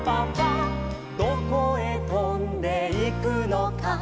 「どこへとんでいくのか」